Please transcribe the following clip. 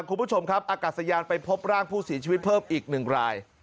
คุณผู้ชมครับอากาศยานไปพบร่างผู้เสียชีวิตเพิ่มอีก๑ราย